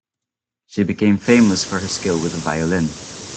She became famous for her skill with a violin.